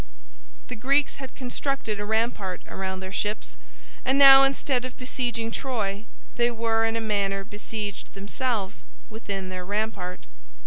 The Greeks had constructed a rampart around their ships, and now instead of besieging Troy they were in a manner besieged themselves, within their rampart.